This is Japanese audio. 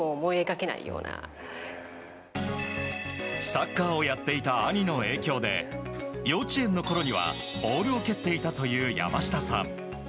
サッカーをやっていた兄の影響で幼稚園のころにはボールを蹴っていたという山下さん。